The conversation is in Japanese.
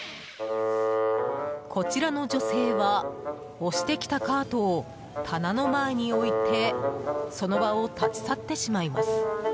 こちらの女性は押してきたカートを棚の前に置いてその場を立ち去ってしまいます。